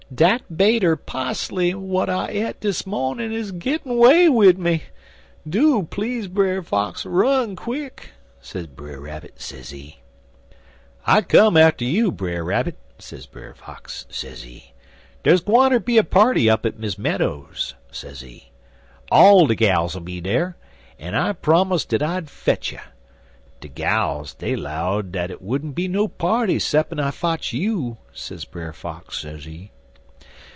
Dat bait er pusly w'at I e't dis mawnin' is gittin' 'way wid me. Do, please, Brer Fox, run quick,' sez Brer Rabbit, sezee. "'I come atter you, Brer Rabbit,' sez Brer Fox, sezee. 'Dar's gwineter be a party up at Miss Meadows's,' sezee. 'All de gals 'll be dere, en I prommus' dat I'd fetch you. De gals, dey 'lowed dat hit wouldn't be no party 'ceppin' I fotch you,' sez Brer Fox, sezee.